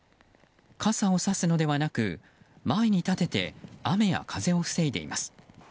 傘をさすのではなく前に立てて雨や風を防いでいます。